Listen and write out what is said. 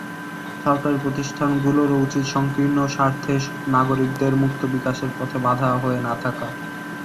সরকারি প্রতিষ্ঠানগুলোরও উচিত সংকীর্ণ স্বার্থে নাগরিকদের মুক্তবিকাশের পথে বাধা হয়ে না থাকা।